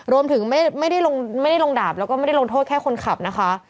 ไม่ได้ลงไม่ได้ลงดาบแล้วก็ไม่ได้ลงโทษแค่คนขับนะคะ